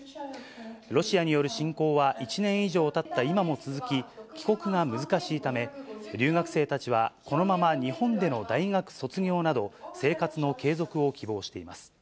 ロシアによる侵攻は、１年以上たった今も続き、帰国が難しいため、留学生たちは、このまま日本での大学卒業など、生活の継続を希望しています。